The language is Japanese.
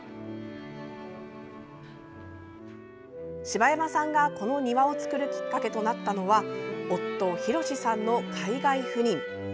柴山さんがこの庭を造るきっかけとなったのは夫・洋さんの海外赴任。